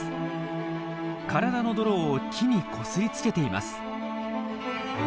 体の泥を木にこすりつけています。